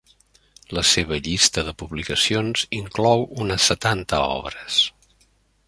La seva llista de publicacions inclou unes setanta obres.